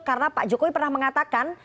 karena pak jokowi pernah mengatakan